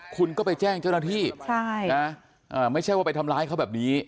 คุณก็ไปแจ้งเจ้าหน้าที่ไม่ใช่ว่าไปทำร้ายเขาแบบนี้